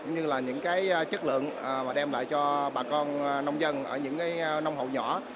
cũng như là những chất lượng mà đem lại cho bà con nông dân ở những nông hậu nhỏ